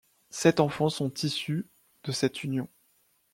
Sept enfants sont issus de cette union.